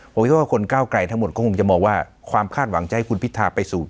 ผมคิดว่าคนก้าวไกลทั้งหมดก็คงจะมองว่าความคาดหวังจะให้คุณพิธาไปสู่